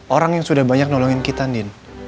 orang yang sudah banyak nolongin kita nih